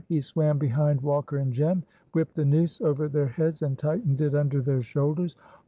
He swam behind Walker and Jem, whipped the noose over their heads and tightened it under their shoulders.